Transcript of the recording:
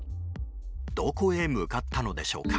どこへ向かったのでしょうか。